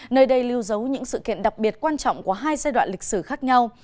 nơi đây lưu giấu những sự kiện đặc biệt quan trọng của hai giai đoạn lịch sử khác nhau